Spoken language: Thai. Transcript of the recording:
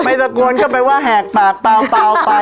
ไม่ตะโกนก็เป็นว่าแหกปากเปล่าเปล่าไป